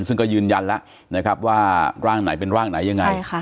ซึ่งก็ยืนยันแล้วนะครับว่าร่างไหนเป็นร่างไหนยังไง